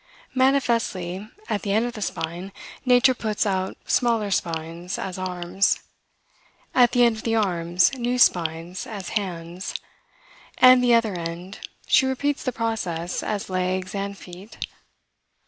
Manifestly, at the end of the spine, nature puts out smaller spines, as arms; at the end of the arms, new spines, as hands; at the other end, she repeats the process, as legs and feet.